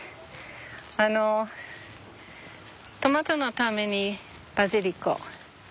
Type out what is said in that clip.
あのトマトのためにバジリコ。